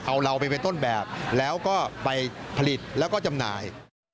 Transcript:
เอาเราไปเป็นต้นแบบแล้วก็ไปผลิตแล้วก็จำหน่าย